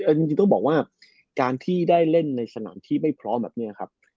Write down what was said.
แต่จริงต้องบอกว่าการที่ได้เล่นในสนามที่ไม่พร้อมแบบนี้ครับ